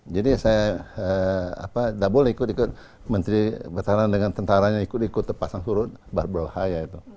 jadi saya tidak boleh ikut ikut menteri pertahanan dengan tentaranya ikut ikut pasang surut berbahaya itu